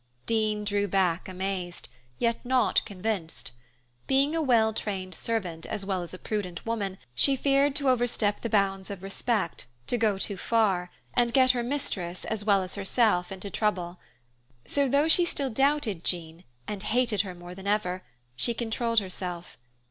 Dean drew back amazed, yet not convinced. Being a well trained servant, as well as a prudent woman, she feared to overstep the bounds of respect, to go too far, and get her mistress as well as herself into trouble. So, though she still doubted Jean, and hated her more than ever, she controlled herself.